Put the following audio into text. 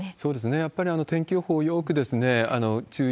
やっぱり天気予報をよーく注意